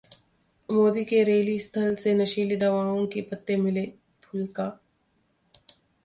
मोदी के रैलीस्थल से नशीली दवाओं के पत्ते मिले: फुलका